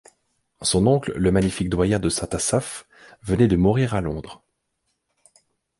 Son oncle, le magnifique doyen de Saint-Asaph, venait de mourir à Londres.